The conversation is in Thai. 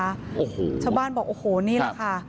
โอ้โหชาวบ้านบอกโอ้โหนี่แหละค่ะ